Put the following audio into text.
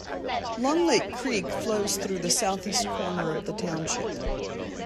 Long Lake Creek flows through the southeast corner of the township.